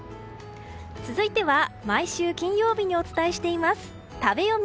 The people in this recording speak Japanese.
続いては毎週金曜日にお伝えしています食べヨミ。